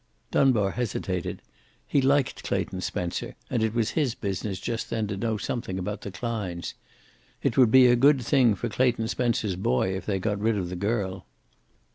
Dunbar hesitated. He liked Clayton Spencer, and it was his business just then to know something about the Kleins. It would be a good thing for Clayton Spencer's boy if they got rid of the girl.